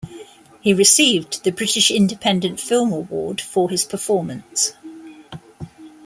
He received the British Independent Film Award for his performance.